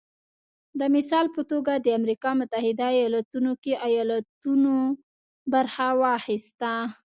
د مثال په توګه د امریکا متحده ایالتونو کې ایالتونو برخه واخیسته